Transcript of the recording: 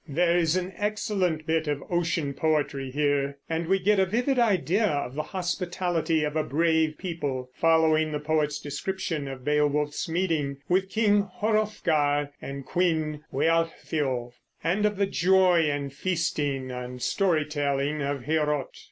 There is an excellent bit of ocean poetry here (ll. 210 224), and we get a vivid idea of the hospitality of a brave people by following the poet's description of Beowulf's meeting with King Hrothgar and Queen Wealhtheow, and of the joy and feasting and story telling in Heorot.